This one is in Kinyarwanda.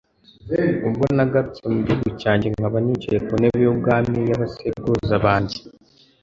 ubwo nagarutse mu gihugu cyanjye nkaba nicaye ku ntebe y'ubwami y'abasekuruza banjye